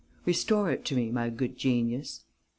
Restore it to me, my good genius.'